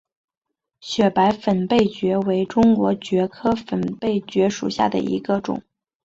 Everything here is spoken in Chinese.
雪白粉背蕨为中国蕨科粉背蕨属下的一个种。